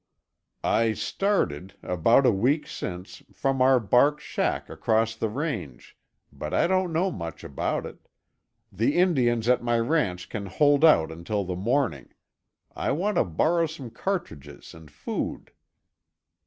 "I started, about a week since, from our bark shack across the range, but I don't know much about it. The Indian's at my ranch and can hold out until the morning. I want to borrow some cartridges and food."